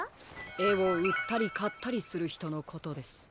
えをうったりかったりするひとのことです。